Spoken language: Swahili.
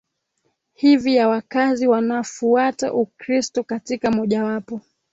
hivi ya wakazi wanafuata Ukristo katika mojawapo